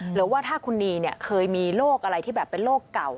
หรือว่าถ้าคุณนีเนี่ยเคยมีโรคอะไรที่แบบเป็นโรคเก่า